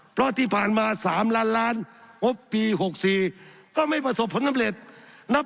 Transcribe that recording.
เพราะที่ผ่านมา๓ล้านล้านงบปี๖๔ก็ไม่ประสบผลสำเร็จนับ